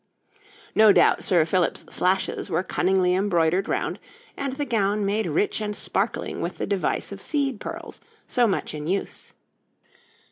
No doubt Sir Philip's slashes were cunningly embroidered round, and the gown made rich and sparkling with the device of seed pearls so much in use.